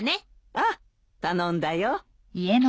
ああ頼んだよ。